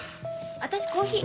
私コーヒー。